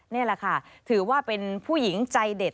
นี่แหละค่ะถือว่าเป็นผู้หญิงใจเด็ด